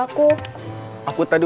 aku tadi udah ngeliatnya